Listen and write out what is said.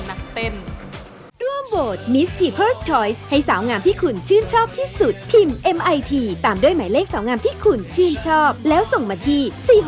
เฮ้ยทำไงอะก็เวลาซองมันมีอยู่แค่เนี้ย